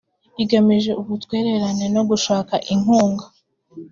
igamije ubutwererane no gushaka inkunga